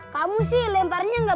kamu sih lemparnya gak bisa